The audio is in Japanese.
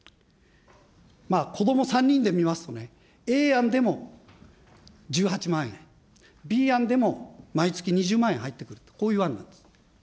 こども３人で見ますとね、Ａ案でも１８万円、Ｂ案でも毎月２０万円入ってくると、こういう案なんです。